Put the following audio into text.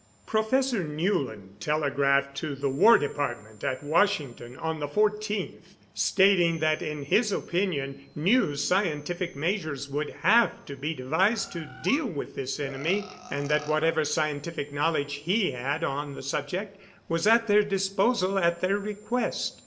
Professor Newland telegraphed to the War Department at Washington on the 14th, stating that in his opinion new scientific measures would have to be devised to deal with this enemy, and that whatever scientific knowledge he had on the subject was at their disposal at their request.